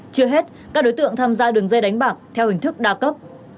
chưa hết các đối tượng tham gia đường dây đánh bạc theo hình thức đa cấp